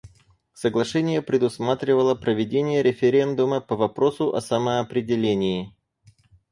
Соглашение предусматривало проведение референдума по вопросу о самоопределении.